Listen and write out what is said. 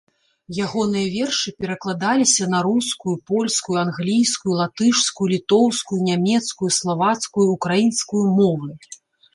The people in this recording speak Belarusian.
Ягоныя вершы перакладаліся на рускую, польскую, англійскую, латышскую, літоўскую, нямецкую, славацкую, украінскую мовы.